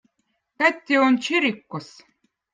katti on čerikkoz